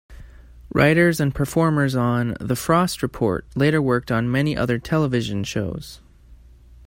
Writers and performers on "The Frost Report" later worked on many other television shows.